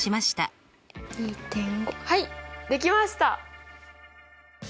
はいできました！